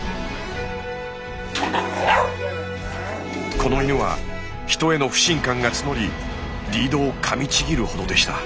この犬は人への不信感が募りリードをかみちぎるほどでした。